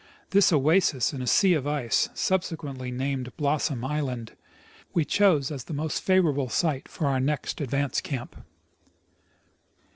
This oasis in a sea of ice, subsequently named Blossom island, Ave chose as the most favorable site for our next advance camp.